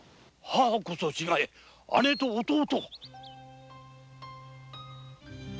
母こそ違え姉と弟！